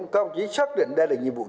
công chí xác định đây là nhiệm vụ chính